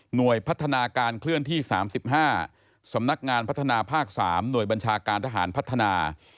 โดยพัฒนาการเคลื่อนที่๓๕สำนักงานพัฒนาภาค๓หน่วยบัญชาการทหารพัฒนา